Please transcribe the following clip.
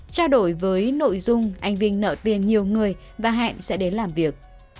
trao đổi với nội dung anh vinh nợ tiền nhiều người và hẹn sẽ đến làm việc